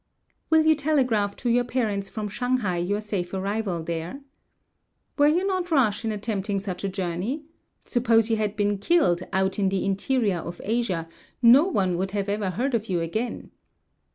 "Will you telegraph to your parents from Shanghai your safe arrival there? "Were you not rash in attempting such a journey? Suppose you had been killed out in the interior of Asia, no one would ever have heard of you again.